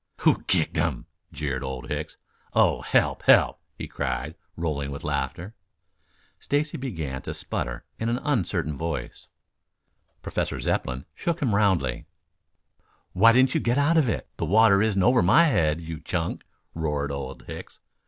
"Who kicked him?" jeered Old Hicks. "Oh, help, help!" he cried, rolling with laughter. Stacy began to sputter in an uncertain voice. Professor Zepplin shook him roundly. "Why didn't you get out of it? The water wasn't over my head, you Chunk," roared Old Hicks.